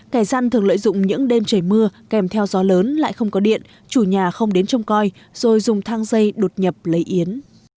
kẻ gian thường lợi dụng những đêm trời mưa kèm theo gió lớn lại không có điện chủ nhà không đến trông coi rồi dùng thang dây đột nhập lấy yến